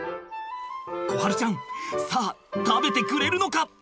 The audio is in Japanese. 心晴ちゃんさあ食べてくれるのか！？